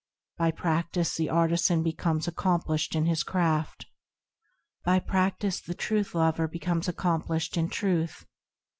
By practice the artisan becomes accomplished in his craft, By practice the Truth lover becomes accomplished in Truth.